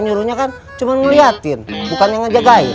nyuruhnya kan cuma ngeliatin bukannya menjaga in